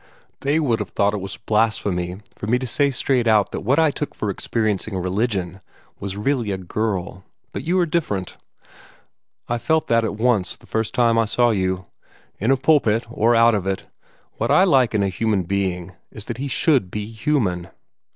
They would have thought it was blasphemy for me to say straight out that what I took for experiencing religion was really a girl. But you are different. I felt that at once, the first time I saw you. In a pulpit or out of it, what I like in a human being is that he SHOULD be human."